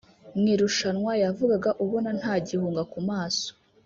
mu irushanwa yavugaga ubona nta gihunga ku maso